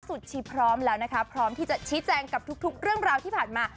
ชีพร้อมแล้วนะคะพร้อมที่จะชี้แจงกับทุกเรื่องราวที่ผ่านมา